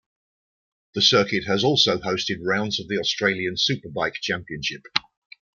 The circuit has also hosted rounds of the Australian Superbike Championship.